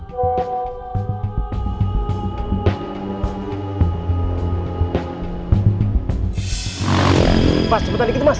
mas cepetan dikit mas